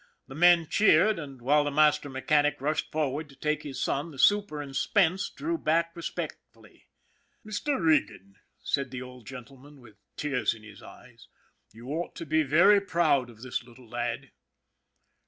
The men cheered, and while the master mechanic rushed forward to take his son, the super and Spence drew back respectfully. " Mr. Regan," said the old gentleman, with tears in his eyes, " you ought to be pretty proud of this little lad."